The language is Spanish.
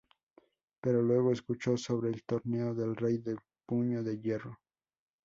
Pero luego, escuchó sobre el Torneo del Rey del Puño de Hierro.